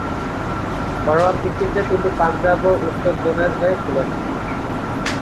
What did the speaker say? ঘরোয়া ক্রিকেটে তিনি পাঞ্জাব এবং উত্তর জোনের হয়ে খেলেন।